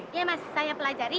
iya mas saya pelajari